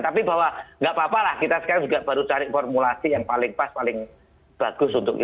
tapi bahwa nggak apa apa lah kita sekarang juga baru cari formulasi yang paling pas paling bagus untuk kita